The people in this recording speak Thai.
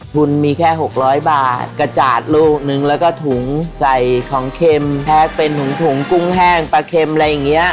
ทุนมีแค่หกร้อยบาทกระจาดลูกหนึ่งแล้วก็ถุงใส่ของเข็มแพ็กเป็นถุงถุงกุ้งแห้งปลาเข็มอะไรอย่างเงี้ย